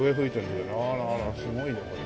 あらあらすごいよこれ。